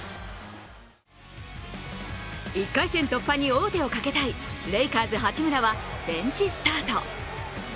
１回戦突破に王手をかけたいレイカーズ・八村はベンチスタート。